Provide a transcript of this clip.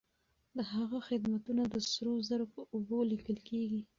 د هغه خدمتونه د سرو زرو په اوبو ليکل کيږي.